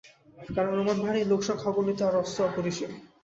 কারণ রোমান বাহিনীর লোকসংখ্যা অগণিত আর অস্ত্র অপরিসীম।